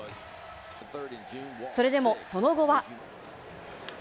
それでもその後は。